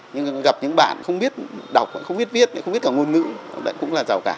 nhưng gặp những bạn không biết đọc không biết viết không biết cả ngôn ngữ cũng là giàu cả